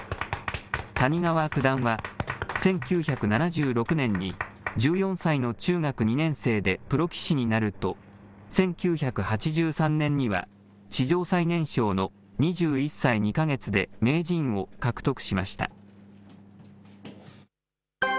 谷川九段は１９７６年に１４歳の中学２年生でプロ棋士になると、１９８３年には、史上最年少の２１歳２か月で名人を獲得しました。